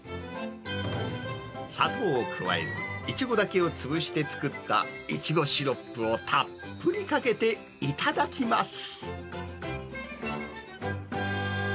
砂糖を加えず、イチゴだけを潰して作ったイチゴシロップをたっぷりかけて頂きます。